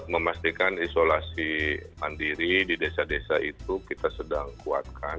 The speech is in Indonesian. memastikan isolasi mandiri di desa desa itu kita sedang kuatkan